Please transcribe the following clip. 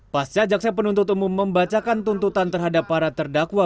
pasca jaksa penuntut umum membacakan tuntutan terhadap para terdakwa